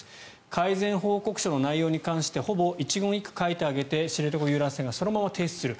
改善報告書の内容に関してほぼ一言一句書いてあげて知床遊覧船がそのまま提出する